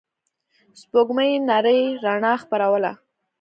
سپوږمۍ نرۍ رڼا خپروله.